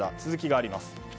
続きがあります。